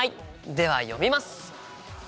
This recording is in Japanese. では読みます！